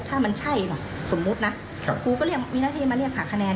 ถ้ามันใช่สมมุตินะคูเรียกมาเรียกหาคะแนน